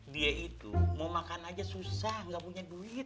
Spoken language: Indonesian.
dia itu mau makan aja susah nggak punya duit